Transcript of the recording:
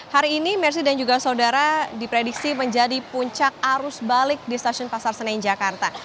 hari ini mersi dan juga saudara diprediksi menjadi puncak arus balik di stasiun pasar senen jakarta